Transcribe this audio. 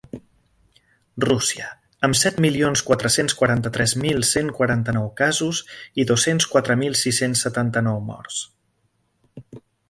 Rússia, amb set milions quatre-cents quaranta-tres mil cent quaranta-nou casos i dos-cents quatre mil sis-cents setanta-nou morts.